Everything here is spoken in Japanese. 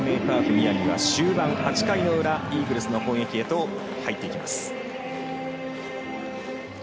宮城は終盤８回の裏イーグルスの攻撃へと入っていきます。